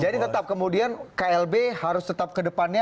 jadi tetap kemudian klb harus tetap ke depannya